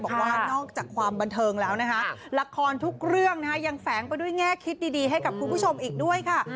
บอกว่านอกจากความบันเทิงแล้วนะคะละครทุกเรื่องยังแฝงไปด้วยแง่คิดดีให้กับคุณผู้ชมอีกด้วยค่ะ